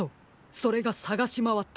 それがさがしまわったあとです。